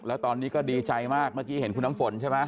แล้วตอนนี้ก็ดีใจมากเมื่อกี้เห็นคุณน้ำฝนใช่ไหม